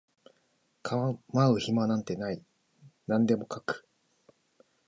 構う暇なんてない何でも描く